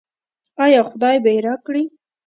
آیا خدای به یې راکړي؟